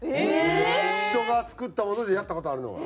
人が作ったものでやった事あるのは。